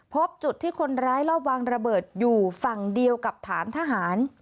พบจุดที่คนร้ายรอบวางระเบิดอยู่ฝั่งเดียวกับฐานทหาร